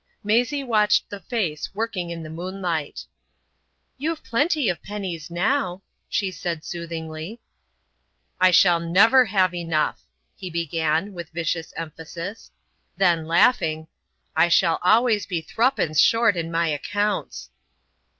Maisie watched the face working in the moonlight. "You've plenty of pennies now," she said soothingly. "I shall never have enough," he began, with vicious emphasis. Then, laughing, "I shall always be three pence short in my accounts."